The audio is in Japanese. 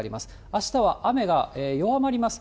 あしたは雨が弱まります。